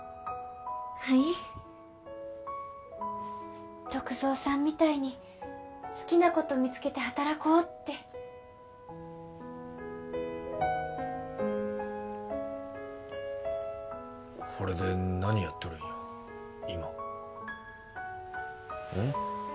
はい篤蔵さんみたいに好きなこと見つけて働こうってほれで何やっとるんや今うん？